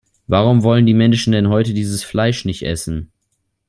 Warum wollen die Menschen denn heute dieses Fleisch nicht essen?